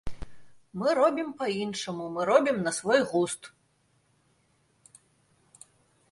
Мы робім па-іншаму, мы робім на свой густ.